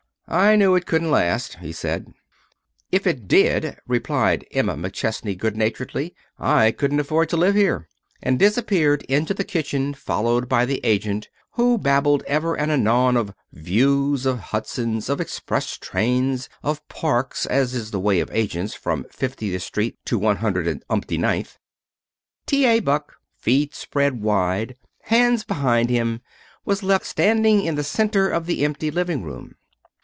"I knew it couldn't last," he said. "If it did," replied Emma McChesney good naturedly, "I couldn't afford to live here," and disappeared into the kitchen followed by the agent, who babbled ever and anon of views, of Hudsons, of express trains, of parks, as is the way of agents from Fiftieth Street to One Hundred and 'Umpty ninth. T. A. Buck, feet spread wide, hands behind him, was left standing in the center of the empty living room.